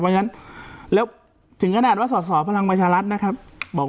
เพราะฉะนั้นแล้วถึงขนาดว่าสอสอพลังประชารัฐนะครับบอก